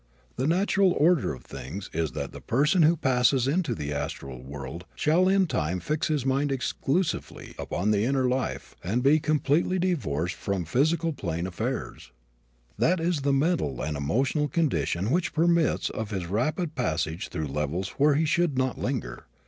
The natural order of things is that the person who passes into the astral world shall in time fix his mind exclusively upon the inner life and be completely divorced from physical plane affairs. That is the mental and emotional condition which permits of his rapid passage through levels where he should not linger.